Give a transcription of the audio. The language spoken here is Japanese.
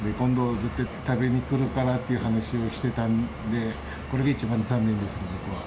今度絶対、食べに来るからっていう話をしてたんで、これが一番残念ですね、僕は。